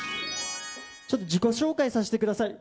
ちょっと自己紹介させてください。